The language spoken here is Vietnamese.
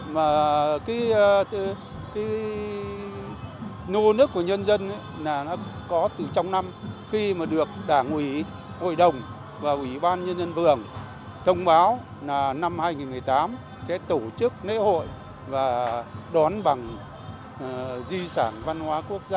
mà cái nô nước của nhân dân là nó có từ trong năm khi mà được đảng ủy hội đồng và ủy ban nhân dân phường thông báo là năm hai nghìn một mươi tám sẽ tổ chức lễ hội và đón bằng di sản văn hóa quốc gia